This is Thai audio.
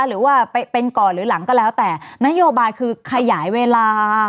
หรือว่าเป็นก่อนหรือหลังก็แล้วแต่นโยบายคือขยายเวลา